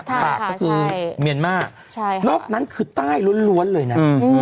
ตากก็คือเมียนมาร์นอกนั้นคือใต้ล้วนเลยนะ